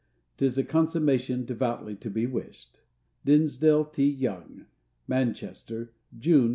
"'Tis a consummation devoutly to be wished." DINSDALE T. YOUNG. _Manchester, June, 1895.